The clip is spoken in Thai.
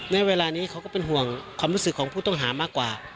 ณเวลานี้เขาก็เป็นห่วงความรู้สึกของผู้ต้องหามากกว่า